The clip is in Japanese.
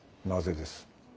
なぜです？